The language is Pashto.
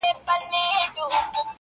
هوسا کړي مي لا نه وه د ژوند ستړي سفرونه؛